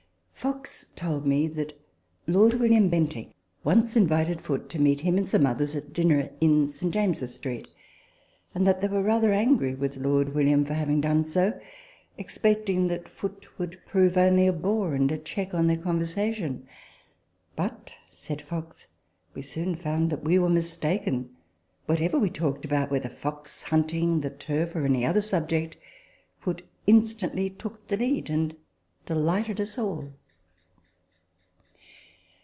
Fox told me that Lord William Bentinck once invited Foote to meet him and some others at dinner in St. James's Street ; and that they were rather angry at Lord William for having done so, expecting that Foote would prove only a bore, and a check on * Afterwards Lady Crewe. TABLE TALK OF SAMUEL ROGERS 63 their conversation. " But," said Fox, " we soon found that we were mistaken : whatever we talked about whether fox hunting, the turf, or any other subject Foote instantly took the lead, and delighted us all."